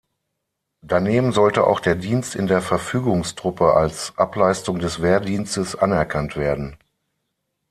Daneben sollte auch der Dienst in der Verfügungstruppe als Ableistung des Wehrdienstes anerkannt werden.